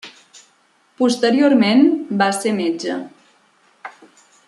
Posteriorment va ser metge.